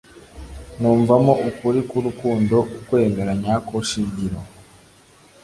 Numvamo ukuri k'Urukundo, Ukwemera nyakwo shingiro